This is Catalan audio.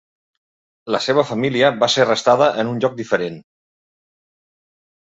La seva família va ser arrestada en un lloc diferent.